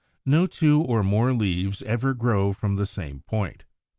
No two or more leaves ever grow from the same point.